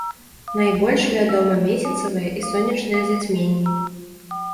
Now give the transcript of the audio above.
Найбольш вядомы месяцавае і сонечнае зацьменні.